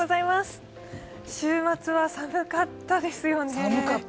週末は寒かったですよね。